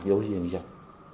giới dân dân